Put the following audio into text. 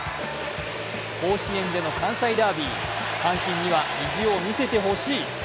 甲子園での関西ダービー阪神には意地を見せてほしい。